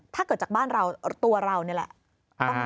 ถ้าเกิดจากบ้านเราตัวเรานี่แหละ